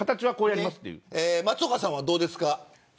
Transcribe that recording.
松岡さんは、どうですか。